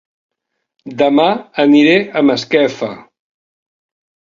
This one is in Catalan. Dema aniré a Masquefa